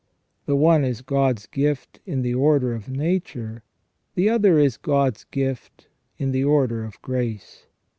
The one is God's gift in the order of nature, the other is God's gift in the order of grace.